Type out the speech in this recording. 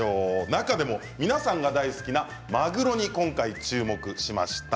中でも皆さんが大好きなマグロに今回、注目しました。